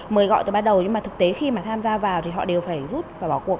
mời gọi từ ban đầu nhưng mà thực tế khi mà tham gia vào thì họ đều phải rút và bỏ cuộc